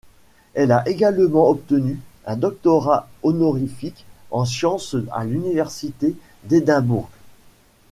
Elle a également obtenu un doctorat honorifique en sciences à l'Université d'Édimbourg.